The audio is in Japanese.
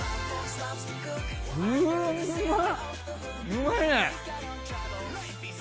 うまいね。